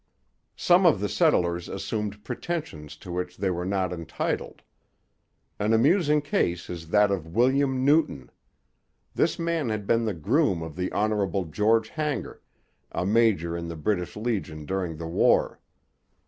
Some of the settlers assumed pretensions to which they were not entitled. An amusing case is that of William Newton. This man had been the groom of the Honourable George Hanger, a major in the British Legion during the war.